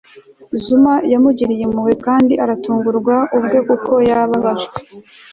xuma yamugiriye impuhwe kandi aratungurwa ubwe kuko yababajwe